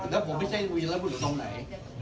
แล้วผมไม่ใช่วีรบุรุษตรงไหน